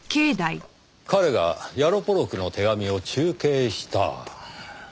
彼がヤロポロクの手紙を中継した。